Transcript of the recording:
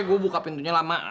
gue buka pintunya lama